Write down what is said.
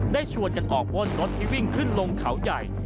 ชวนกันออกป้นรถที่วิ่งขึ้นลงเขาใหญ่